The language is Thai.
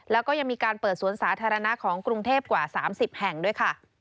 แล้วก็ยังมีการเปิดสวนสาธารณะของกรุงเทพกว่า๓๐แห่งด้วยค่ะ